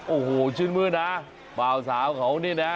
โอ้โหชื่นมื้นนะบ่าวสาวเขานี่นะ